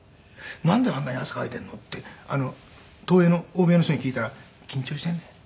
「なんであんなに汗かいているの？」って東映の大部屋の人に聞いたら「緊張しているんだよ。